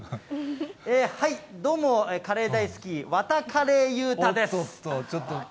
はい、どうも、カレー大好き、わたカレー裕太です。